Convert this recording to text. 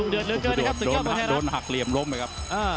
ดังเดือดด้วยนะครับ